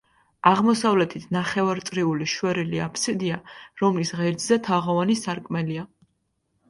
აღმოსავლეთით ნახევარწრიული შვერილი აბსიდია, რომლის ღერძზე თაღოვანი სარკმელია.